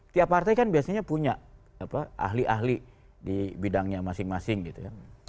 tiap partai kan biasanya punya ahli ahli di bidangnya masing masing gitu ya